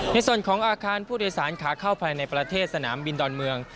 ในส่วนของอาคารผู้โดยสารขาเข้าภายในประเทศสนามบินดอนเมือง